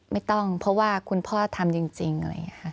ไม่ต้องเพราะว่าคุณพ่อทำจริง